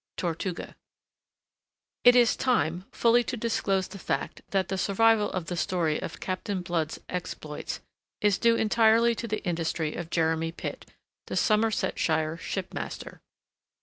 TORTUGA It is time fully to disclose the fact that the survival of the story of Captain Blood's exploits is due entirely to the industry of Jeremy Pitt, the Somersetshire shipmaster.